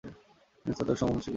তিনি স্নাতক সমমান শিক্ষিত।